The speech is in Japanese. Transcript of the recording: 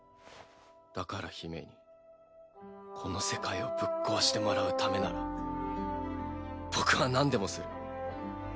だから姫にこの世界をぶっ壊してもらうためなら僕はなんでもする。